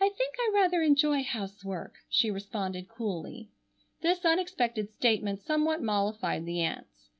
"I think I rather enjoy housework," she responded coolly. This unexpected statement somewhat mollified the aunts.